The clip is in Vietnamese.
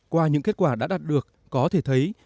qua những kết quả đã đạt được có thể thấy